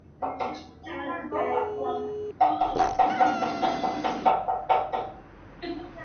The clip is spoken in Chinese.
苗族古歌是黔东南苗族聚居区对苗族神话与迁徙史诗歌联唱形式的通称。